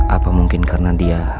apa mungkin karena dia